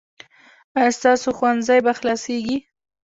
ایا ستاسو ښوونځی به خلاصیږي؟